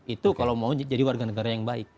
itu kalau mau jadi warga negara yang baik